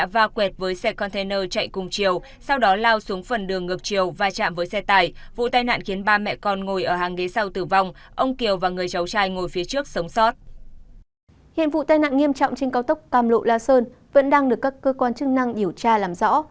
hiện vụ tai nạn nghiêm trọng trên cao tốc cam lộ la sơn vẫn đang được các cơ quan chức năng điều tra làm rõ